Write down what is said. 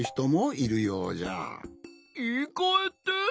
いいかえって？